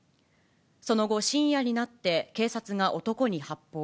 その後、深夜になって警察が男に発砲。